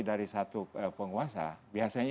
dari satu penguasa biasanya